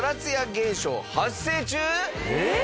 えっ！？